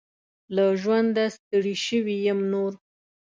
له ژونده ستړي شوي يم نور .